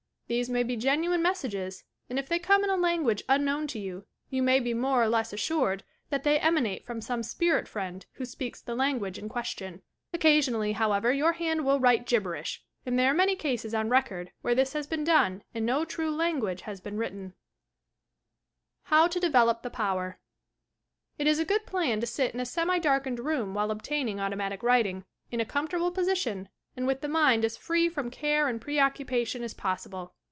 These may be genuine messages and if they come in a language unknown to you, you may be more or less assured that they emanate from some spirit friend who speaks the langnage in question. Occasionally, however, your hand will write "gibberish," and there are many cases on record where this has been done and no true language has been written. J AUTOMATIC WRITING HOW TO DEVELOP THE POWER It is a good plaji to sit in a semi darkened room while obtaining automatic writing, in a comfortable position and with the mind as free from care and preoccupation as possible.